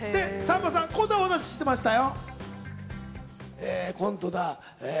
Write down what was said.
さんまさん、こんなお話をしていましたよ。